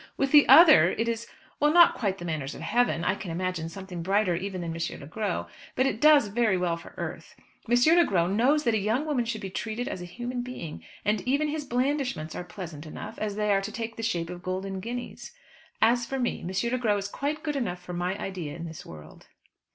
With the other it is well, not quite the manners of heaven. I can imagine something brighter even than M. Le Gros; but it does very well for earth. M. Le Gros knows that a young woman should be treated as a human being; and even his blandishments are pleasant enough, as they are to take the shape of golden guineas. As for me, M. Le Gros is quite good enough for my idea of this world."